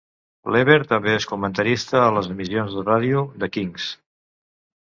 Lever també és comentarista a les emissions de ràdio de Kings.